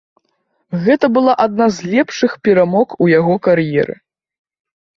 Гэта была адна з лепшых перамог у яго кар'еры.